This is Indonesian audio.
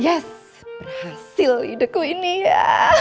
yes berhasil ideku ini ya